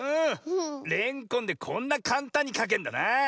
レンコンでこんなかんたんにかけんだなあ。